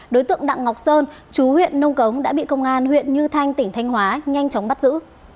đối tượng đặng ngọc sơn chú huyện nông cống đã bị công an huyện như thanh tỉnh thanh hóa nhanh chóng bắt giữ